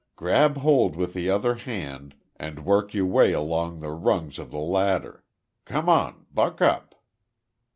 "Grab hold with the other hand, and work your way along the rungs of the ladder. Come on. Buck up."